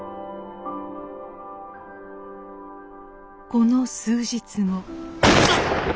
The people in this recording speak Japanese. この数日後。